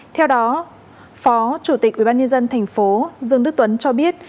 theo đó phó chủ tịch ubnd thành phố dương đức tuấn cho biết